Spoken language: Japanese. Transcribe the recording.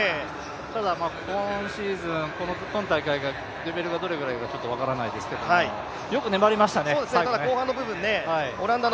ただ、今シーズン、今大会がレベルがどれくらいか分からないですけどよく粘りましたね、最後ね。